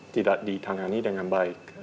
tidak ditangani dengan baik